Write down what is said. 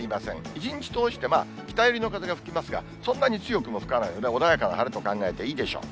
一日通して、北寄りの風が吹きますが、そんなに強くも吹かないので、穏やかな晴れと考えていいでしょう。